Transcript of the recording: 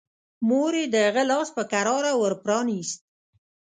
مور يې د هغه لاس په کراره ور پرانيست.